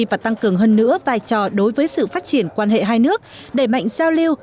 và tăng cường hơn nữa vai trò đối với sự phát triển quan hệ hai nước đẩy mạnh giao lưu